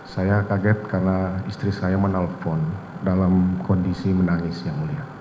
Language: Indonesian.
saya kaget karena istri saya menelpon dalam kondisi menangis yang mulia